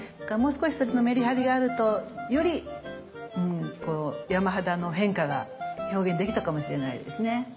だからもう少しそれのメリハリがあるとより山肌の変化が表現できたかもしれないですね。